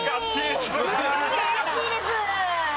難しいです。